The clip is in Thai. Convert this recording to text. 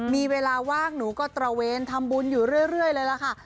มีเวลาว่างหนูก็ตระเวนทำบุญอยู่เรื่อยเลยล่ะค่ะ